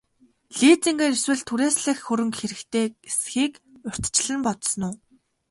Лизингээр эсвэл түрээслэх хөрөнгө хэрэгтэй эсэхийг урьдчилан бодсон уу?